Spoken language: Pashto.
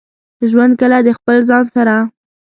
ژوند کله د خپل ځان سره.